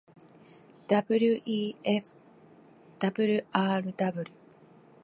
wefwrw